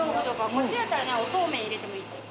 こっちだったらおそうめんに入れてもいいです。